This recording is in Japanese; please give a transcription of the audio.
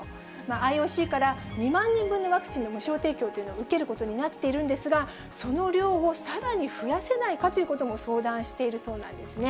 ＩＯＣから、２万人分のワクチンの無償提供というのを受けることになってるんですが、その量をさらに増やせないかということも相談しているそうなんですね。